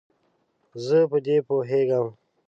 زه په دې پوهیږم.